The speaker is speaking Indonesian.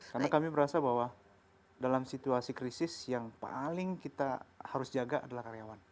karena kami merasa bahwa dalam situasi krisis yang paling kita harus jaga adalah karyawan